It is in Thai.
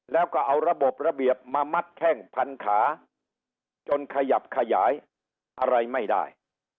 แล้วก็เอาระบบระเบียบมามัดแข้งพันขาจนขยับขยายอะไรไม่ได้